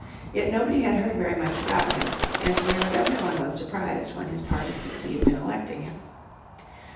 Yet nobody had heard very much about him, and nearly everyone was surprised when his party succeeded in electing him.